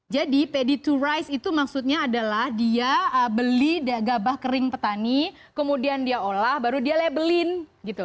jadi pede to rise itu maksudnya adalah dia beli gabah kering petani kemudian dia olah baru dia labelin gitu